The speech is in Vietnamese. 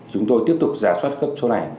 chúng tôi tiếp tục giả soát cấp số này